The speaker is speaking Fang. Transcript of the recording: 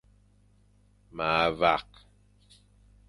Ma vak.